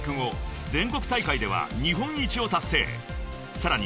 ［さらに］